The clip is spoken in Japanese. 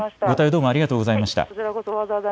ご対応ありがとうございました。